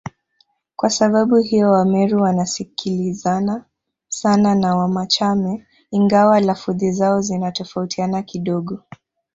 Kwa sababu hiyo Wameru wanasikilizana sana na Wamachame ingawa lafudhi zao zinatofautiana kidogo